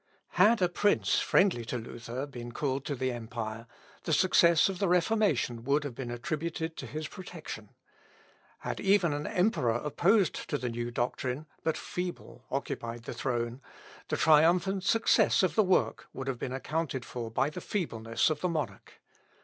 Had a prince, friendly to Luther, been called to the empire, the success of the Reformation would have been attributed to his protection. Had even an emperor opposed to the new doctrine, but feeble, occupied the throne, the triumphant success of the work would have been accounted for by the feebleness of the monarch.